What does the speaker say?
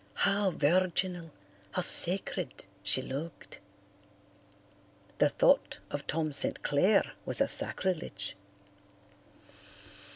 How virginal, how sacred, she looked! The thought of Tom St. Clair was a sacrilege.